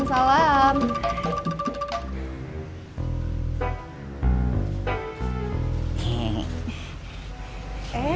rasa yang betul betul sakit